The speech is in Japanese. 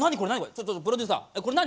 ちょっとプロデューサーこれ何？